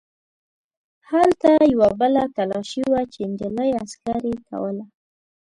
هلته یوه بله تلاشي وه چې نجلۍ عسکرې کوله.